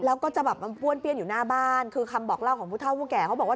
แล้วก็จะแบบมันป้วนเปี้ยนอยู่หน้าบ้านคือคำบอกเล่าของผู้เท่าผู้แก่เขาบอกว่า